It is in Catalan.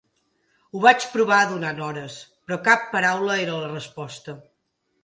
Ho vaig provar durant hores, però cap paraula era la resposta.